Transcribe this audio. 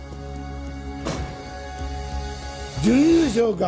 準優勝か。